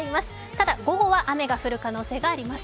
ただ午後は雨が降る可能性があります。